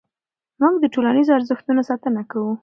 موږ د ټولنیزو ارزښتونو ساتنه کوو.